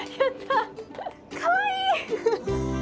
かわいい！